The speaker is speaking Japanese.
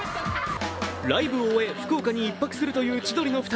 ライブを終え福岡に１泊するという千鳥の２人。